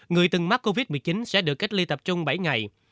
người từng mắc covid một mươi chín sẽ được cách ly tập trung bảy ngày